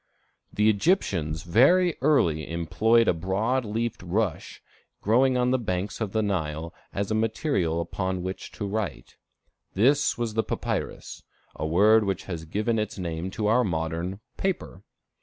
The Egyptians very early employed a broad leafed rush growing on the banks of the Nile, as a material upon which to write. This was the papyrus, a word which has given its name to our modern paper.